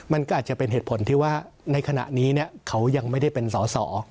มันก็อาจจะเป็นเหตุผลที่ว่าในขณะนี้เขายังไม่ได้เป็นสอสอ